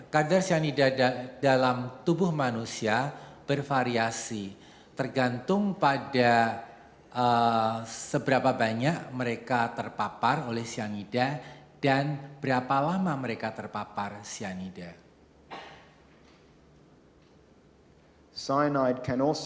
kadar cyanida dalam tubuh manusia bervariasi tergantung pada seberapa banyak mereka terpapar oleh cyanida dan berapa lama mereka terpapar cyanida